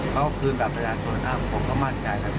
เขาคืนอับประจานโศนาคผมก็มั่นใจละไปฮะ